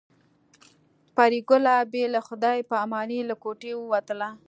پري ګله بې له خدای په امانۍ له کوټې ووتله